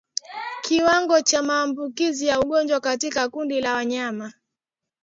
Kiwango cha maambukizi ya ugonjwa katika kundi la wanyama